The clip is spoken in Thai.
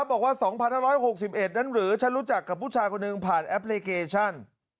บอกว่า๒๕๖๑นั้นหรือฉันรู้จักกับผู้ชายคนหนึ่งผ่านแอปพลิเคชัน